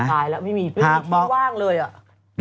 ไม่มีที่ว่างเลยอ่ะ